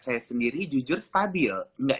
saya sendiri jujur stabil enggak